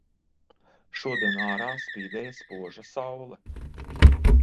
Šodien ārā spīdēja spoža saule.